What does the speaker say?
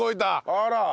あら！